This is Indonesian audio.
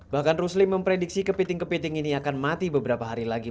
bahkan rusli memprediksi kepiting kepiting ini akan mati beberapa hari lagi